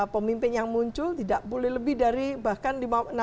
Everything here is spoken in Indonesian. pemimpin yang muncul tidak boleh lebih dari bahkan